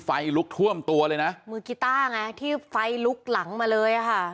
ไฟลุกท่วมตัวเลยนะมือกีต้าไงที่ไฟลุกหลังมาเลยอ่ะค่ะ